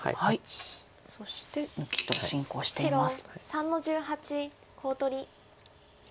そして抜きと進行しています。